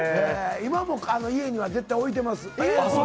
今も家には絶対置いてます。